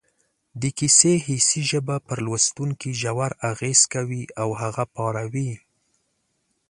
د کیسې حسي ژبه پر لوستونکي ژور اغېز کوي او هغه پاروي